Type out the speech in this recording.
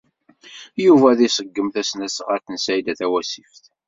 Yuba ad iṣeggem tasnasɣalt n Saɛida Tawasift.